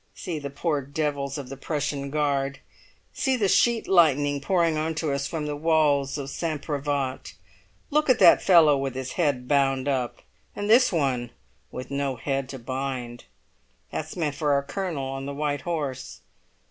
See the poor devils of the Prussian Guard! See the sheet lightning pouring into us from the walls of St. Privat! Look at that fellow with his head bound up, and this one with no head to bind. That's meant for our colonel on the white horse.